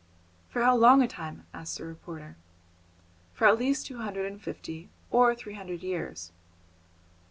"For how long a time?" asked the reporter. "For at least two hundred and fifty or three hundred years."